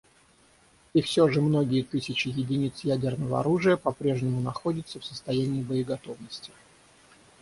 И все же многие тысячи единиц ядерного оружия попрежнему находятся в состоянии боеготовности.